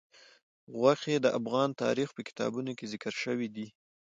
غوښې د افغان تاریخ په کتابونو کې ذکر شوي دي.